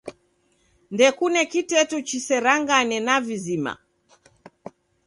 Ndekune kiteto chiserangane na vizima.